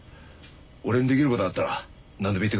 俺にできることがあったら何でも言ってください。